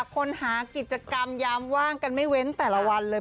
คนหากิจกรรมยามว่างกันไม่เว้นแต่ละวันเลย